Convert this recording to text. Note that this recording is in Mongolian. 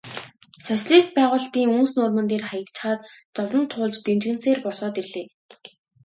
Социалист байгуулалтын үнс нурман дээр хаягдчихаад зовлон туулж дэнжгэнэсээр босоод ирлээ.